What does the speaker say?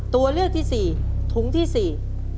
ตัวเลือกที่สี่ถุงที่สี่